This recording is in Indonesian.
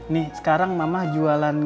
nih sekarang mama jualan